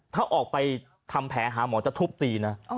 ถ้าออกไปทำแผลหาหมอจะทุบตีนะ